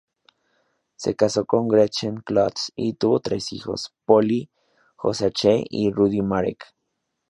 Se casó con Gretchen Klotz y tuvo tres hijos: Polly, Hosea-Che y Rudi-Marek.